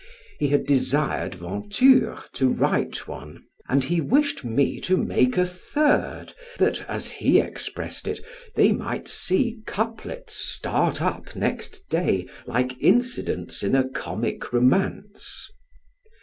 He had desired Venture to write one, and he wished me to make a third, that, as he expressed it, they might see couplets start up next day like incidents in a comic romance.